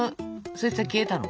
そいつは消えたの？